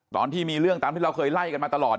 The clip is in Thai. ตอนที่มีเรื่องตามที่เราเคยไล่กันมาตลอด